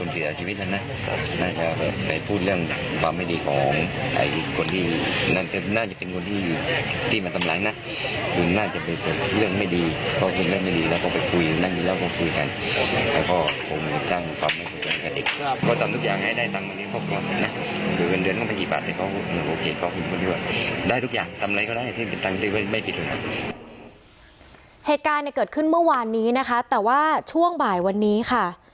เหตุการณ์เกิดขึ้นเมื่อวานนี้นะคะแต่ว่าช่วงบ่ายวันนี้ค่ะ